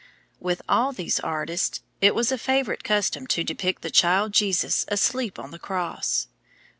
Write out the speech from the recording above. With all these artists it was a favorite custom to depict the child Jesus asleep on the cross.